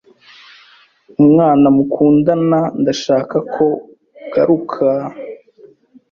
Umwana Mukundana Ndashaka ko Ugaruka